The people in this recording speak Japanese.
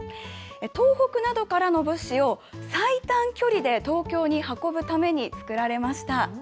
東北などからの物資を最短距離で東京に運ぶために造られました。